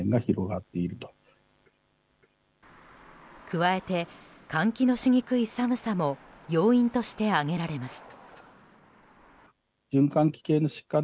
加えて、換気のしにくい寒さも要因として挙げられます。